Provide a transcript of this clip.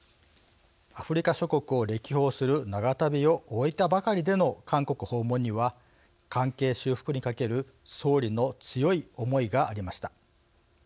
アフリカ諸国を歴訪する長旅を終えたばかりでの韓国訪問には関係修復にかける総理の強い思いがありました。